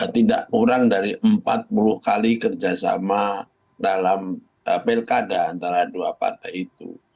tidak kurang dari empat puluh kali kerja sama dalam pelkada antara dua partai itu